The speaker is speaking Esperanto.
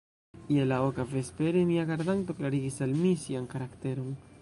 Je la oka vespere, mia gardanto klarigis al mi sian karakteron.